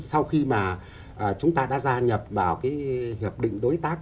sau khi mà chúng ta đã gia nhập vào cái hiệp định đối tác